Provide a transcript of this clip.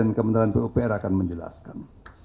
dan kementerian pupr akan menjelaskan